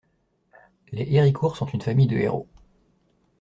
Les Héricourt sont une famille de héros.